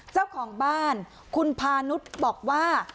เจ้าของบ้านคุณพานุษย์บอกว่า